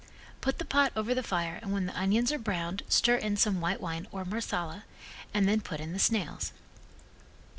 Put the pot over the fire and when the onions are browned stir in some white wine or Marsala and then put in the snails.